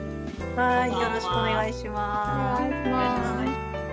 よろしくお願いします。